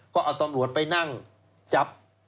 ก็เอาตำรวจไปนั่งจับ